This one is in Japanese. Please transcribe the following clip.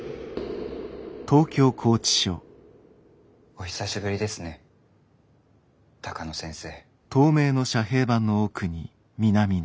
お久しぶりですね鷹野先生。